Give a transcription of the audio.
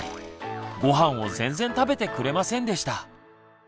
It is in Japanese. ごはんを全然食べてくれませんでした。